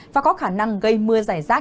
và có khả năng gây mưa giải rác